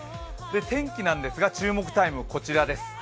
天気なんですが、注目タイムはこちらです。